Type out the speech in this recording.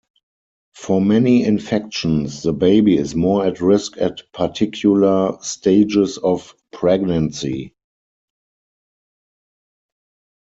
For many infections, the baby is more at risk at particular stages of pregnancy.